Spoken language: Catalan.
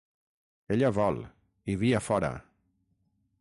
Ella vol, i via fora!